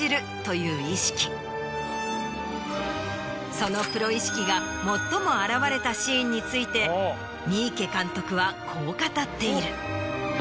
そのプロ意識が最も表れたシーンについて三池監督はこう語っている。